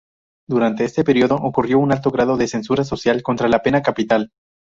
Durante este periodo ocurrió un alto grado de censura social contra la pena capital.